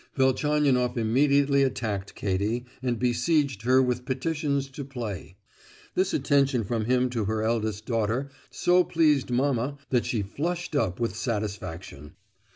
Velchaninoff immediately attacked Katie, and besieged her with petitions to play. This attention from him to her eldest daughter so pleased mamma that she flushed up with satisfaction.